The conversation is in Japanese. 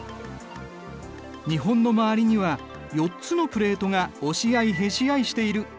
日本の周りには４つのプレートが押し合いへし合いしている。